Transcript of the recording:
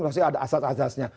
pasti ada asas asasnya